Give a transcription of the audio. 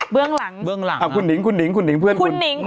เบื้องหลังนะครับคุณนิ้งคุณนิ้งเพื่อนคุณคุณนิ้ง